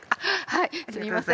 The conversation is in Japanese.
はいすみません。